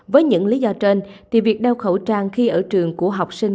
với những lý do trên thì việc đeo khẩu trang khi ở trường của học sinh